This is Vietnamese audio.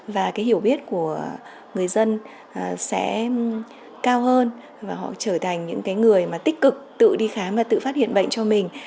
và cái hiểu biết của người dân sẽ cao hơn và họ trở thành những cái người mà tích cực tự đi khám và tự phát hiện bệnh cho mình